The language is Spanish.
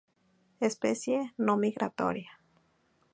Especie no migratoria.